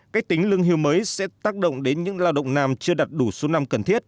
cách tính lương hưu mới sẽ tác động đến những lao động nam chưa đặt đủ số năm cần thiết